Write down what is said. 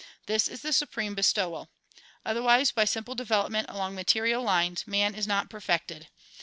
This is the supreme bestowal. Otherwise, by simple development along material lines man is not perfected.